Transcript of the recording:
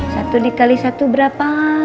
satu dikali satu berapa